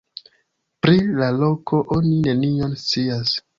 Pri la loko oni nenion scias.